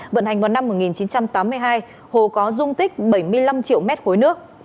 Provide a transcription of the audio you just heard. vận hành vào năm một nghìn chín trăm tám mươi hai hồ có dung tích bảy mươi năm triệu m ba nước